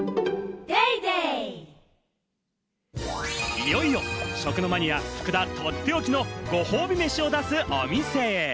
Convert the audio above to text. いよいよ食のマニア・福田とっておきのご褒美メシを出すお店へ。